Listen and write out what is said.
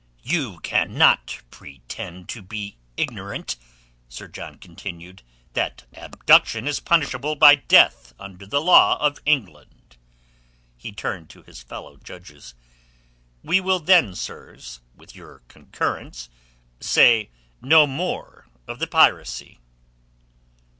"You cannot pretend to be ignorant," Sir John continued, "that abduction is punishable by death under the law of England." He turned to his fellow judges. "We will then, sirs, with your concurrence, say no more of the piracy."